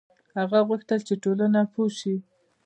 هغه غوښتل چې ټولنه پوه شي.